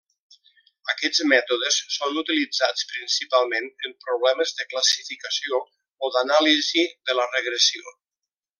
Aquests mètodes són utilitzats principalment en problemes de classificació o d'anàlisi de la regressió.